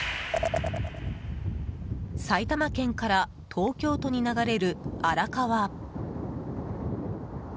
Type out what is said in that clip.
埼玉県から東京都に流れる荒川。